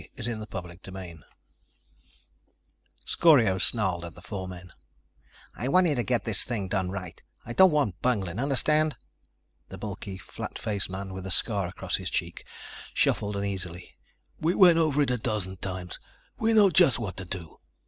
CHAPTER TWELVE Scorio snarled at the four men: "I want you to get the thing done right. I don't want bungling. Understand?" The bulky, flat faced man with the scar across his cheek shuffled uneasily. "We went over it a dozen times. We know just what to do."